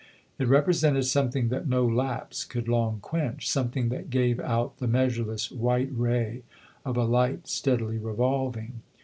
It represented something that no lapse could long quench something that gave out the measureless white ray of a light steadily revolving.